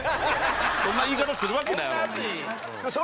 そんな言い方するわけないやろ。